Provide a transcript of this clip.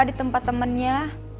di tempat temennya